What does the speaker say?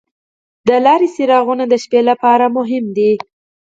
د لارې څراغونه د شپې لپاره مهم دي.